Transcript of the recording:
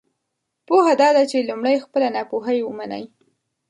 پوهه دا ده چې لمړی خپله ناپوهۍ ومنی!